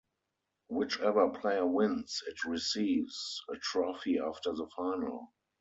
Whichever player wins it receives a trophy after the final.